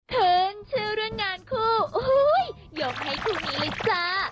ขึ้นชื่อเรื่องงานคู่โอ้โหยกให้คู่นี้เลยจ้า